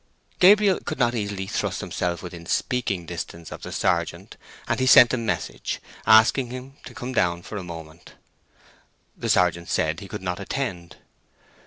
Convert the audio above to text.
Gabriel could not easily thrust himself within speaking distance of the sergeant, and he sent a message, asking him to come down for a moment. The sergeant said he could not attend.